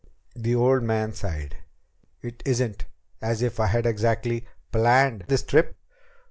The old man sighed. "It isn't as if I had exactly planned this trip."